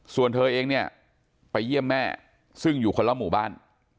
ส่วนเธอเองเนี่ยไปเยี่ยมแม่ซึ่งอยู่คนละหมู่บ้าน